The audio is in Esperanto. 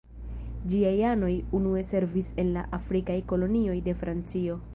Ĝiaj anoj unue servis en la afrikaj kolonioj de Francio.